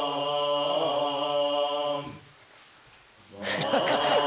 ハハハハ！